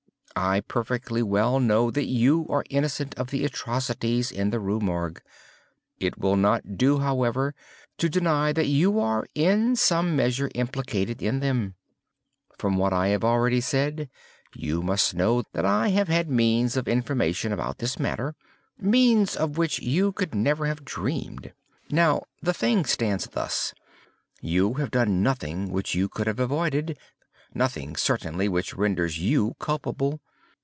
I perfectly well know that you are innocent of the atrocities in the Rue Morgue. It will not do, however, to deny that you are in some measure implicated in them. From what I have already said, you must know that I have had means of information about this matter—means of which you could never have dreamed. Now the thing stands thus. You have done nothing which you could have avoided—nothing, certainly, which renders you culpable.